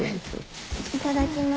いただきます。